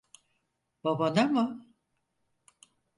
Babana mı?